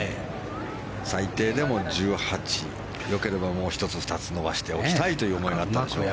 最低でも１８よければもう１つ、２つ伸ばしておきたいという思いがあったでしょう。